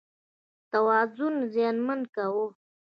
توازن یې زیانمن کاوه.